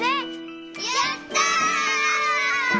やった！